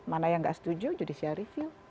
mana yang nggak setuju judicial review